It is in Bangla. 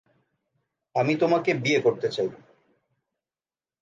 আমি তোমাকে বিয়ে করতে চাই।